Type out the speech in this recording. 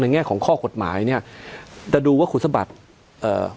แง่ของข้อกฎหมายเนี้ยจะดูว่าคุณสมบัติเอ่อ